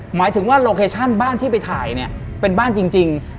หมายถึงว่าโลเคชั่นบ้านที่ไปถ่ายเนี่ยเป็นบ้านจริง